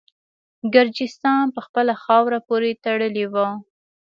ګرجستان په خپله خاوره پوري تړلی وو.